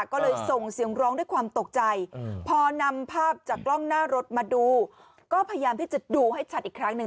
ก็เลยส่งเสียงร้องด้วยความตกใจพอนำภาพจากกล้องหน้ารถมาดูก็พยายามที่จะดูให้ชัดอีกครั้งหนึ่ง